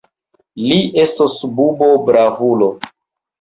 Li estos bubo-bravulo!